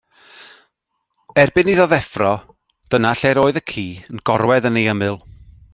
Erbyn iddo ddeffro, dyna lle yr oedd y ci yn gorwedd yn ei ymyl.